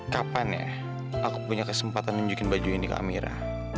kapan ya aku punya kesempatan nunjukin baju ini ke amira